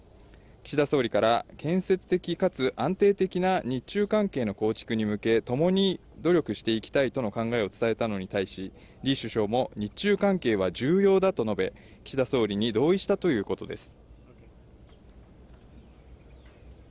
岸田総理から建設的かつ安定的な日中関係の構築に向け、共に努力していきたいとの考えを伝えたのに対し、李首相も、日中関係は重要だと述べ、岸田総理に同意したということです。